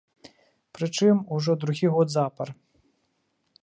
Прычым ужо другі год запар.